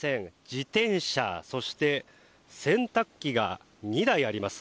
自転車そして洗濯機が２台あります。